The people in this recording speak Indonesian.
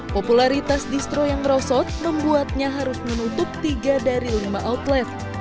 popularitas distro yang merosot membuatnya harus menutup tiga dari lima outlet